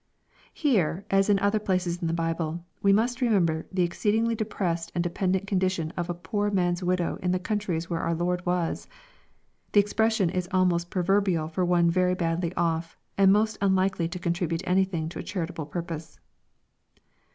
] Here, as in other places in the Bible, we must remember the exceedingly depressed and dependent condition of a poor man's widow in the countries where our Lord was. The expression is almost proverbial for one very badly off, and most unlikely to contribute anything to a charitable purpose.